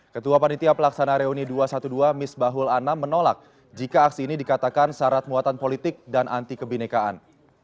ketua panitia pelaksana reuni dua ratus dua belas misbahul anam menolak jika aksi ini dikatakan syarat muatan politik dan anti kebinekaan